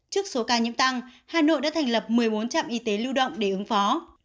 trước số ca nhiễm tăng hà nội đã thành lập một mươi bốn trạm y tế lưu động để ứng phó